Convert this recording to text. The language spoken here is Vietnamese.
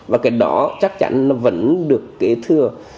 và cái đó chắc chắn nó vẫn được kế thừa